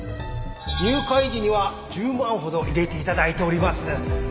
入会時には１０万ほど入れて頂いております。